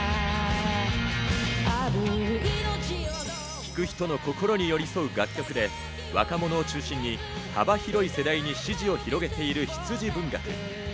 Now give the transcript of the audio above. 聴く人の心に寄り添う楽曲で、若者を中心に幅広い世代に支持を広げている羊文学。